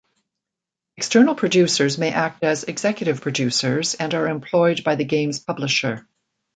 External producers may act as "executive producers" and are employed by the game's publisher.